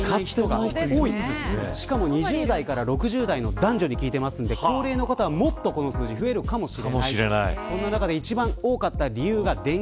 しかも２０代から６０代の男女に聞いているので高齢の方は使っていないの数字が増えるかもしれません。